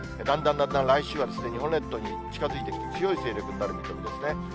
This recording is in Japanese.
だんだんだんだん来週は、日本列島に近づいてくる、強い勢力になる見込みですね。